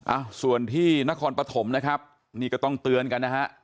อ่ะส่วนที่นครปฐมนะครับนี่ก็ต้องเตือนกันนะฮะ